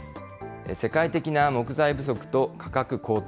世界的な木材不足と価格高騰。